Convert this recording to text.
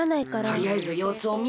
とりあえずようすをみるか。